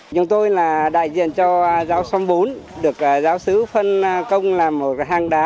chúng tôi là đại diện cho giáo xóm bốn được giáo sứ phân công làm một hang đá